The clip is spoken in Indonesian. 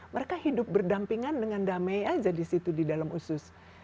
mereka hidup berdampingan dengan damai aja di situ di dalam usus